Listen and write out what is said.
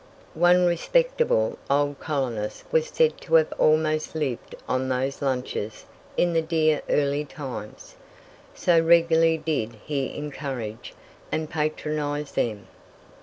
One respectable old colonist was said to have almost lived on those lunches in the dear early times, so regularly did he encourage and patronize them.